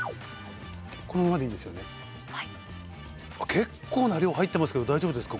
結構な量入ってますけど大丈夫ですか？